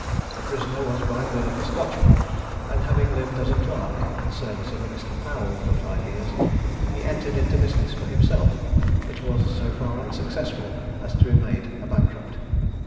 The prisoner was by birth a Scotchman, and having lived as a clerk in the service of a Mr. Powell for five years, he entered into business for himself, but was so far unsuccessful as to be made a bankrupt.